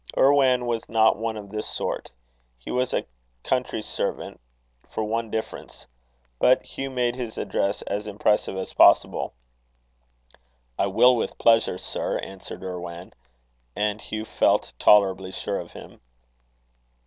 Irwan was not one of this sort. He was a country servant, for one difference. But Hugh made his address as impressive as possible. "I will with pleasure, sir," answered Irwan, and Hugh felt tolerably sure of him.